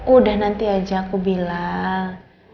udah nanti aja aku bilang